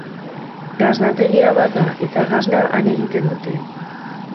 Gasnategia bada, eta gasna han egiten dute.